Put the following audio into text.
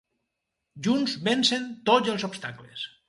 Junts vencen tots els obstacles.